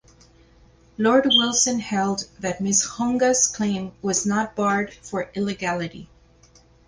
Lord Wilson held that Ms Hounga’s claim was not barred for illegality.